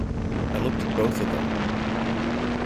I looked at both of them.